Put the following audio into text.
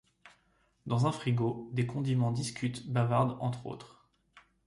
Dans un frigo, des condiments discutent, bavardent, entre autres...